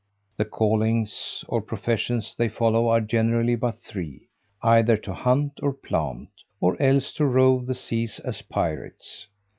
The callings or professions they follow are generally but three, either to hunt or plant, or else to rove the seas as pirates.